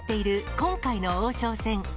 今回の王将戦。